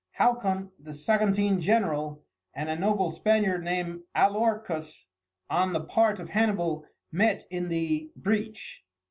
Halcon, the Saguntine general, and a noble Spaniard named Alorcus, on the part of Hannibal, met in the breach.